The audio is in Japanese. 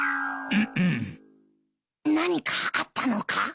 何かあったのか？